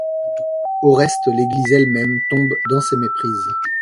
Au reste l’église elle-même tombe dans ces méprises.